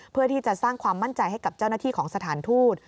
เพื่อที่จะสร้างความมั่นใจให้กับเจ้าหน้าที่ของสถานทูต